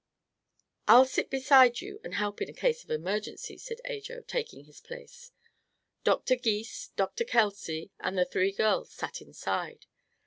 "I'll sit beside you to help in case of emergency," said Ajo, taking his place. Dr. Gys, Dr. Kelsey and the three girls sat inside.